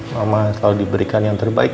mama selalu diberikan yang terbaik